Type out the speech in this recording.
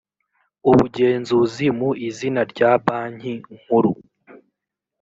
ubugenzuzi mu izina rya banki nkuru